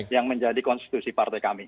yang menjadi konstitusi partai kami